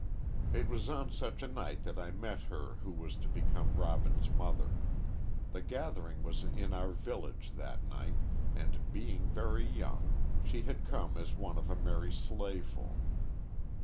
"It was on such a night that I met her who was to become Robin's mother. The gathering was in our village that night, and, being very young, she had come as one of a merry sleighful.